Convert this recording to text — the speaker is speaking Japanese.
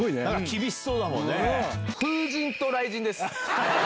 厳しそうだもんね。